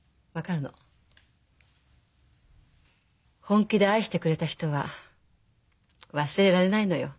本気で愛してくれた人は忘れられないのよ。